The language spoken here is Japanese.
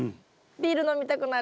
ビール飲みたくなる。